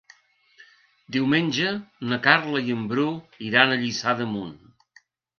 Diumenge na Carla i en Bru iran a Lliçà d'Amunt.